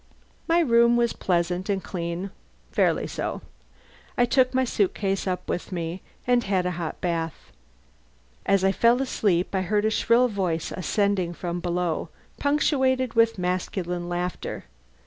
My room was pleasant and clean (fairly so). I took my suit case up with me and had a hot bath. As I fell asleep I heard a shrill voice ascending from below, punctuated with masculine laughter.